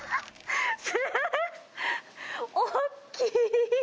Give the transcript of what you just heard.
大きい。